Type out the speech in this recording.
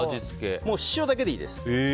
塩だけでいいです。